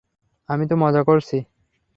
আমি তো মজা করছি।